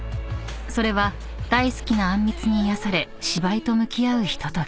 ［それは大好きなあんみつに癒やされ芝居と向き合うひととき］